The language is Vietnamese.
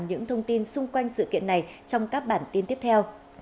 những thông tin xung quanh sự kiện này trong các bản tin tiếp theo